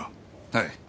はい。